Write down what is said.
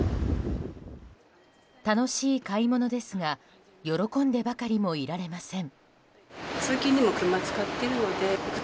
楽しい買い物ですが喜んでばかりもいられません。